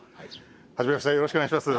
はじめましてよろしくお願いします。